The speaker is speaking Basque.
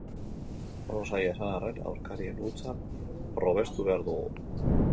Oso zaila izan arren, aurkarien hutsa probestu behar dugu.